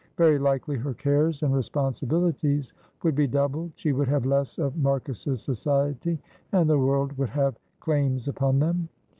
Very likely her cares and responsibilities would be doubled. She would have less of Marcus's society, and the world would have claims upon them.